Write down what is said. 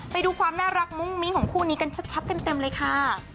ไปดูความน่ารักมุ้งมิ้งของคู่นี้กันชัดเต็มเลยค่ะ